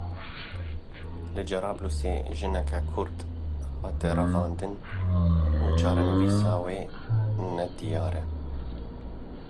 Li Cerablûsê jineke Kurd hate revandin û çarenivîsa wê nediyar e.